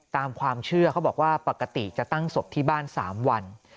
ตามความเชื่อเขาบอกว่าปกติจะตั้งศพที่บ้าน๓วัน